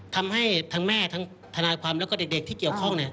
ทำให้ทั้งแม่ทั้งทนายความแล้วก็เด็กที่เกี่ยวข้อง